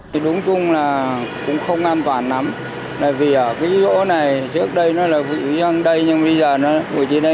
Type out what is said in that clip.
tại vì ở cái chỗ này trước đây nó là vị dân đây nhưng bây giờ nó là vị dân đây